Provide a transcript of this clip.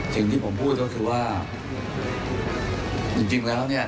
สิ่งที่ผมพูดก็คือว่าจริงแล้วเนี่ย